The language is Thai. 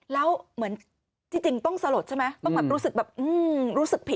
แล้วเหมือนที่จริงต้องสลดใช่ไหมต้องแบบรู้สึกแบบรู้สึกผิด